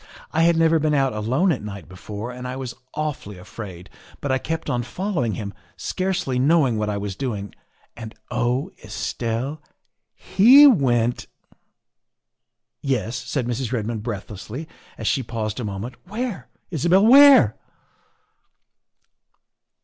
I had never been out alone at night before and I was awfully afraid, but I kept on following him, scarcely THE SECRETARY OF STATE 127 knowing what I was doing, and oh, Estelle, he went "" Yes?" said Mrs. Redmond breathlessly as she paused a moment. " Where, Isabel, where?"